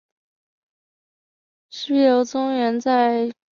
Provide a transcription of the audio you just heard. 石壁流淙园在清代原是扬州盐商徐赞侯别墅。